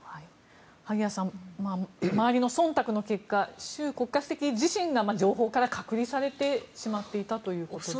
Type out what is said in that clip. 萩谷さん周りのそんたくの結果習国家主席自身が情報から隔離されてしまっていたということです。